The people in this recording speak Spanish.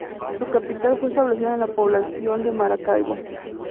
Su capital fue establecida en la población de Maracaibo.